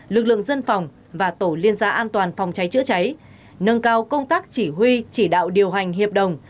lực lượng dân phòng và tổ liên gia an toàn phòng cháy chữa cháy nâng cao công tác chỉ huy chỉ đạo điều hành hiệp đồng